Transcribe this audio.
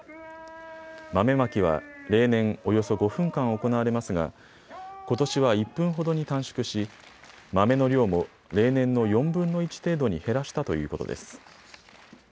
豆まきは例年およそ５分間行われますがことしは１分ほどに短縮し、豆の量も例年の４分の１程度に減らしたということです。